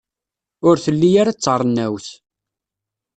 Ur telli ara d tarennawt.